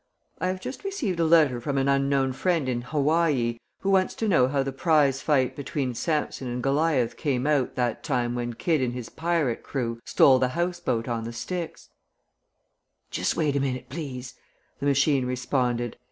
"I have just received a letter from an unknown friend in Hawaii who wants to know how the prize fight between Samson and Goliath came out that time when Kidd and his pirate crew stole the House Boat on the Styx." "Just wait a minute, please," the machine responded.